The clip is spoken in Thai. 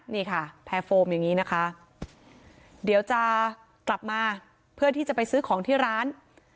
นี่ค่ะแพรโฟมอย่างนี้นะคะเดี๋ยวจะกลับมาเพื่อที่จะไปซื้อของที่ร้าน